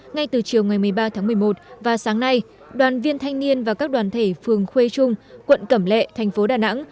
ngay từ chiều ngày một mươi ba tháng một mươi một và sáng nay đoàn viên thanh niên và các đoàn thể phường khuê trung quận cẩm lệ thành phố đà nẵng